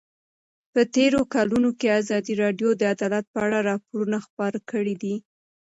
په تېرو کلونو کې ازادي راډیو د عدالت په اړه راپورونه خپاره کړي دي.